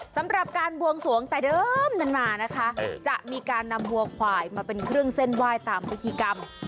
สำหรับการบวงสวงแต่เดิมนั้นมานะคะจะมีการนำวัวควายมาเป็นเครื่องเส้นไหว้ตามพิธีกรรม